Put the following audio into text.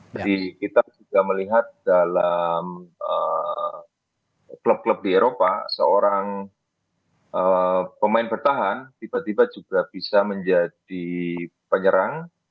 jadi kita juga melihat dalam klub klub di eropa seorang pemain bertahan tiba tiba juga bisa menjadi penyerang